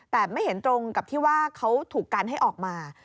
แต่ไม่เห็นตรงกับที่ว่าเขาถูกกันให้ออกมา